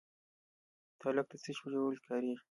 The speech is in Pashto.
تالک د څه شي په جوړولو کې کاریږي؟